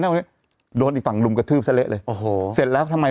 รถที่ฝั่งอดุมกระทืบซะเละเลย